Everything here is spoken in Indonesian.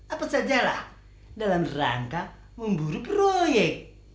apa sajalah dalam rangka memburu proyek